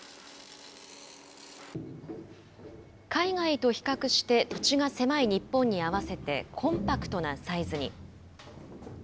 海外と比較して、土地が狭い日本に合わせて、コンパクトなサイズに。